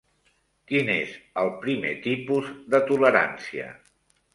Quin és el primer tipus de tolerància?